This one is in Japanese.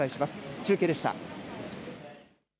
中継でした。